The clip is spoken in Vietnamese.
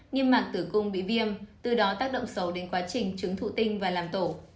niêm mạc tử cung bị viêm từ đó tác động xấu đến quá trình chứng thụ tinh và làm tổ